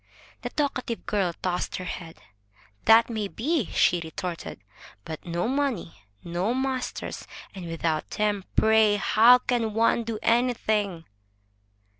The talkative girl tossed her head. "That may be!" she retorted. But no money, no masters, and without them, pray, how can one do anything?"